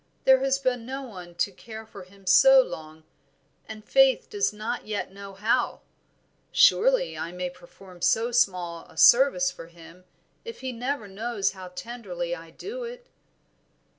there has been no one to care for him so long, and Faith does not yet know how; surely I may perform so small a service for him if he never knows how tenderly I do it?"